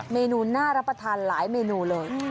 เมนูน่ารับประทานหลายเมนูเลย